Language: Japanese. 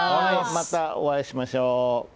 またお会いしましょう。